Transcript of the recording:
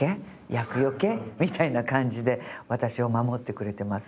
厄よけ？みたいな感じで私を守ってくれてます。